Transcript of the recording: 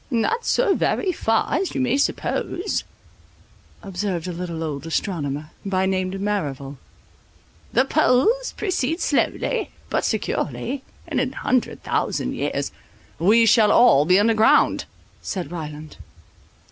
"Not so far as you may suppose," observed a little old astronomer, by name Merrival, "the poles precede slowly, but securely; in an hundred thousand years—" "We shall all be underground," said Ryland.